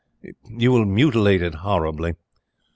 You will mutilate it horribly.